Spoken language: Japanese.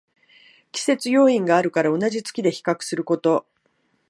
季節要因あるから同じ月で比較すること